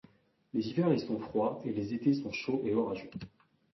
Les hivers y sont froids et les étés sont chauds et orageux.